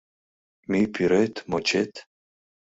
Мӱй пӱрет, мочет.